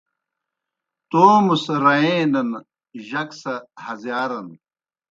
تومہ سہ رئینَن، جک سہ ہزِیارَن